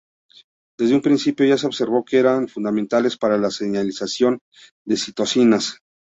Desde un principio ya se observó que eran fundamentales para la señalización de citocinas.